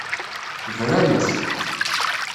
Bran-as.